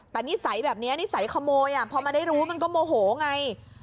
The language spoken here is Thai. แต่นิสัยแบบนี้นิสัยขโมยพอมาได้รู้มันก็โมโหไง